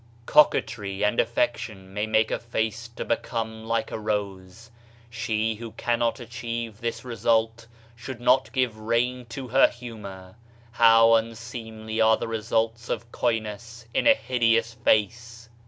"Coquetry and affection may make a face to become like a rote She who cannot achieve this result, should not give rein to her humor. How unseemly are the results of coyness in a hideous face.